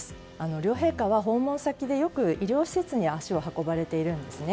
両陛下は訪問先でよく医療施設に足を運ばれているんですね。